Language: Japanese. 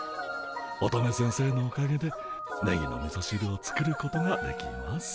乙女先生のおかげでネギのみそしるを作ることができます。